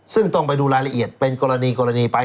ซึ่งต้องไปดูรายละเอียดเป็นกรณีกรณีไป